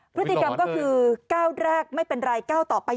พฤติกรรมก็คือก้าวแรกไม่เป็นไรก้าวต่อไป